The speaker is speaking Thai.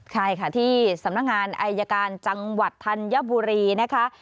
ใช่ค่ะที่สำนักงานอายการจังหวัดธัญบุรีนะคะ